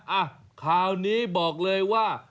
อ่ะข่าวนี้บอกเลยว่า